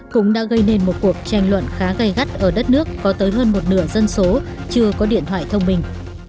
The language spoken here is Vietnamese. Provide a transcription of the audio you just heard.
cũng đã gây nên một cuộc tranh luận khá gai gắt ở đất nước có tới hơn một nửa dân số chưa có điện thoại thông minh